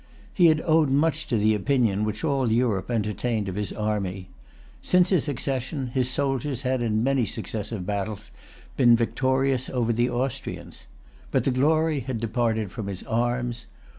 He had owed much to the opinion which all Europe entertained of his army. Since his accession, his soldiers had in many successive battles been victorious over the Austrians. But the glory had departed from his arms.